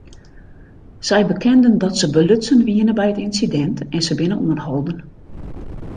Sy bekenden dat se belutsen wiene by it ynsidint en se binne oanholden.